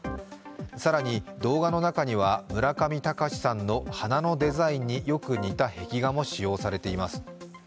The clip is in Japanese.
更に、動画の中には村上隆さんの花のデザインによく似た壁画も使用されています。